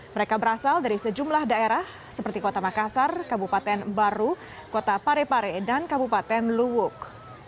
mereka berasal dari sejumlah daerah seperti kota makassar kabupaten baru kota parepare dan kabupaten luwuk